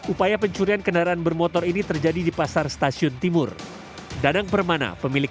upaya pencurian kendaraan bermotor ini terjadi di pasar stasiun timur dadang permana pemilik